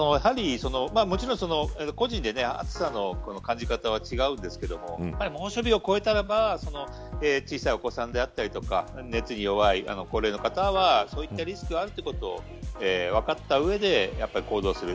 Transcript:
個人で暑さの感じ方は違うと思いますけど猛暑日を超えたら小さいお子さんだったり熱に弱い高齢の方はそういったリスクがあるということを分かった上で行動する。